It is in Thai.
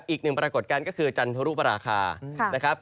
อีกหนึ่งปรากฏการณ์ก็คือจันทรุปราคานะครับ